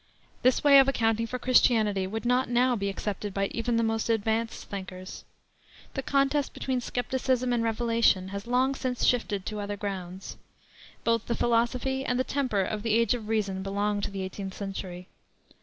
This way of accounting for Christianity would not now be accepted by even the most "advanced" thinkers. The contest between skepticism and revelation has long since shifted to other grounds. Both the philosophy and the temper of the Age of Reason belong to the eighteenth century.